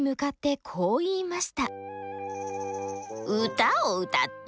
「歌を歌って？